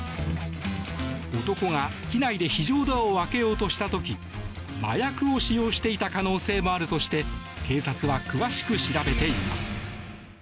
男が機内で非常ドアを開けようとした時麻薬を使用していた可能性もあるとして警察は詳しく調べています。